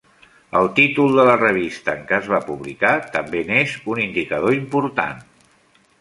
El títol de la revista en què es va publicar també n'és un indicador important.